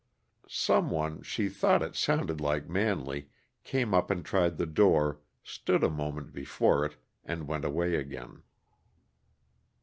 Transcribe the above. Some one she thought it sounded like Manley came up and tried the door, stood a moment before it, and went away again.